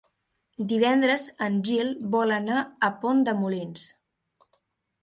Divendres en Gil vol anar a Pont de Molins.